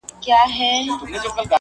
o چي لیکلی چا غزل وي بې الهامه,